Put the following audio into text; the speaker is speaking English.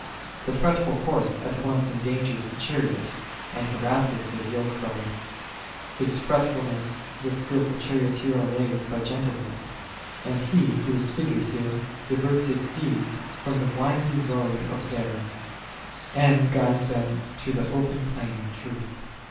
The fret ful horse at once endangers the chariot, and harasses his yoke fellow ; his fretfulness the skilful charioteer allays by gentleness, and He who is figured here diverts His steeds from the winding road of error, and guides them to the open plain of truth.